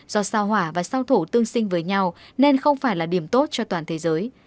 do sao hỏa và sao thổ tương sinh với nhau nên không phải là điểm tốt cho toàn thế giới